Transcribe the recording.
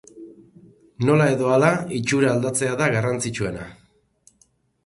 Nola edo hala itxura aldatzea da garrantzitsuena.